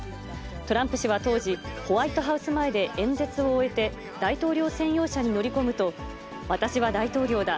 トランプ氏は当時、ホワイトハウス前で演説を終えて、大統領専用車に乗り込むと、私は大統領だ。